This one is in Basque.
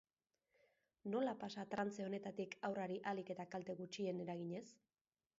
Nola pasa trantze honetatik haurrari ahalik eta kalte gutxien eraginez?